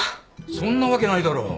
そんなわけないだろ。